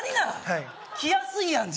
はい来やすいやん